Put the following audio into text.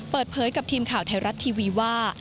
เปิดเผยกับทีมข่าวไทยรัฐทีวีว่า